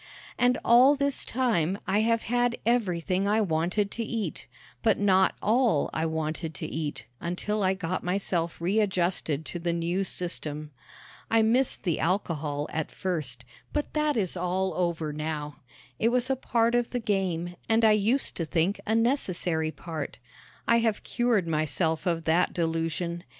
And all this time I have had everything I wanted to eat, but not all I wanted to eat until I got myself readjusted to the new system. I missed the alcohol at first, but that is all over now. It was a part of the game and I used to think a necessary part. I have cured myself of that delusion.